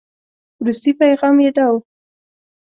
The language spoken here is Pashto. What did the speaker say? وروستي پيغام یې داو.